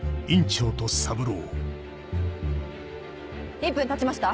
１分たちました。